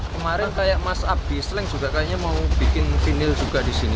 kemarin kayak mas abdi sleng juga kayaknya mau bikin vinyl juga disini